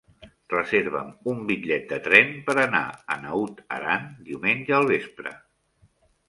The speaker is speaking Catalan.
Reserva'm un bitllet de tren per anar a Naut Aran diumenge al vespre.